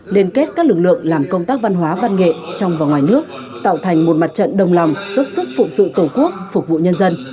liên kết các lực lượng làm công tác văn hóa văn nghệ trong và ngoài nước tạo thành một mặt trận đồng lòng giúp sức phụ sự tổ quốc phục vụ nhân dân